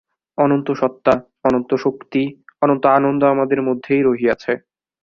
অনন্ত সত্তা, অনন্ত শক্তি, অনন্ত আনন্দ আমাদের মধ্যেই রহিয়াছে।